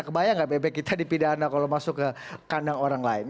kebayang gak bebek kita dipidana kalau masuk ke kandang orang lain